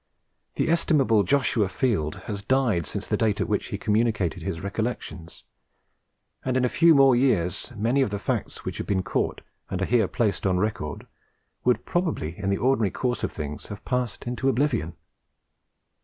The estimable Joshua Field has died since the date at which he communicated his recollections; and in a few more years many of the facts which have been caught and are here placed on record would, probably, in the ordinary course of things, have passed into oblivion.